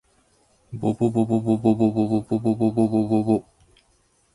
ぼぼぼぼぼぼぼぼぼぼ